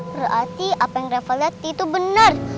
berarti apa yang revaleti tuh benar